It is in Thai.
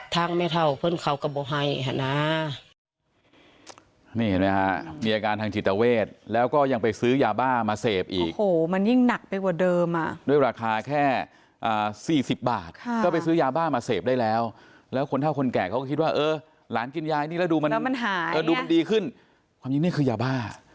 ทางไม่เท่าเพื่อนเขาก็ไม่ให้นะ